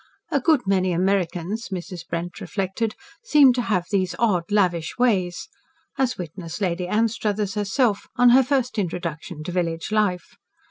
"A good many Americans," Mrs. Brent reflected, "seemed to have those odd, lavish ways," as witness Lady Anstruthers herself, on her first introduction to village life.